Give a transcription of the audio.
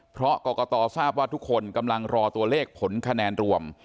เพราะกรกตทราบว่าทุกคนกำลังรอตัวเลขผลคะแนนรวม